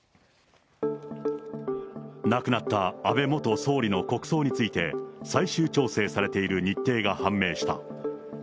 亡くなった安倍元総理の国葬について、最終調整されている日程が判明した。